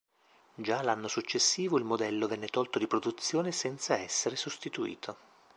Già l'anno successivo il modello venne tolto di produzione senza essere sostituito.